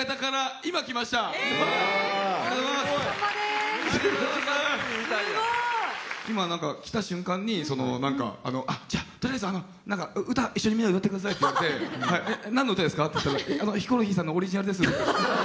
すごい！今なんか来た瞬間にそのなんか「あっじゃあとりあえずあの歌一緒にみんなで歌ってください」って言われてなんの歌ですか？って言ったら「ヒコロヒーさんのオリジナルです」。